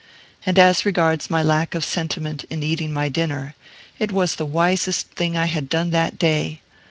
And as regards my lack of sentiment in eating my dinner, it was the wisest thing I had done that day.